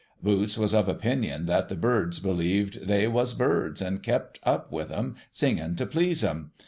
Boots was of opinion that the birds believed they was birds, and kept up with 'em, singing to j)lease 'em.